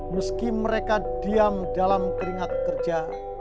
meski mereka diam dalam keringat kerja